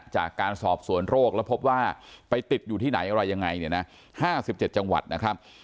จากการสอบสวนโรคแล้วพบว่าไปติดอยู่ที่ไหนอะไรยังไงเนี่ยนะ๕๗จังหวัดนะครับ